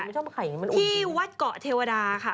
ที่วัดเกาะเทวดาค่ะ